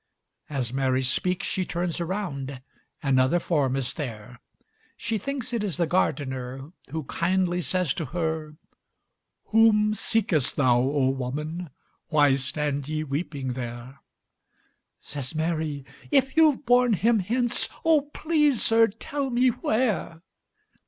As Mary speaks she turns around Another form is there! She thinks it is the gardener, Who kindly says to her: "Whom seekest thou, oh, woman? Why stand ye weeping there?" Says Mary, "If you've borne Him hence, Oh, please, sir, tell me where."